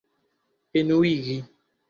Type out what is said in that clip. enuigi